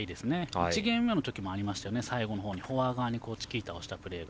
１ゲーム目の時もありましたよね、最後の方にフォア側にチキータをしたプレー。